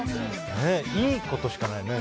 いいことしかないよね。